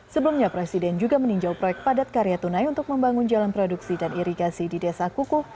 sebelumnya presiden juga meninjau proyek padat karya tunai untuk membangun jalan produksi dan irigasi di desa kuku